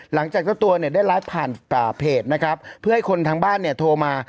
เจ้าตัวเนี่ยได้ไลฟ์ผ่านเพจนะครับเพื่อให้คนทางบ้านเนี่ยโทรมา